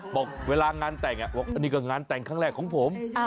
บอกเวลางานแต่งบอกอันนี้ก็งานแต่งครั้งแรกของผม